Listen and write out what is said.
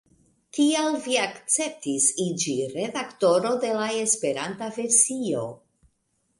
Kial vi akceptis iĝi redaktoro de la Esperanta versio?